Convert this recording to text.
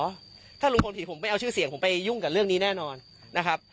ถ้าลุงพลผิดผมไม่เอาชื่อเสียงผมไปยุ่งกับเรื่องนี้แน่นอนนะครับ